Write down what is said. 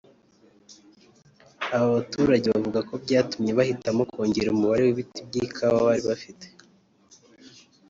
Aba baturage bavuga ko byatumye bahitamo kongera umubare w’ibiti bya Kawa bari bafite